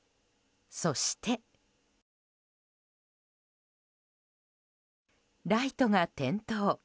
そして、ライトが点灯。